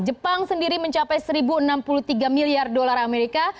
jepang sendiri mencapai satu enam puluh tiga miliar dolar amerika